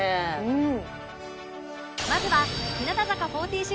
うん。